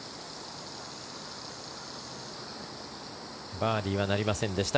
バーディーはなりませんでした